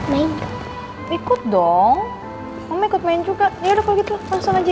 momo ikut ikut do unggot main juga ya udah begitu langsung aja